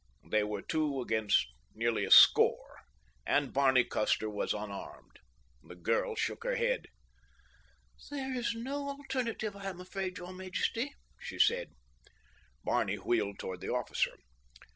They were two against nearly a score, and Barney Custer was unarmed. The girl shook her head. "There, is no alternative, I am afraid, your majesty," she said. Barney wheeled toward the officer.